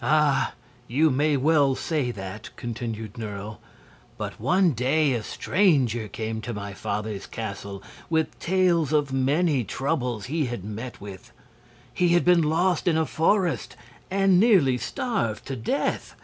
"Ah, you may well say that!" continued Nerle. "But one day a stranger came to my father's castle with tales of many troubles he had met with. He had been lost in a forest and nearly starved to death.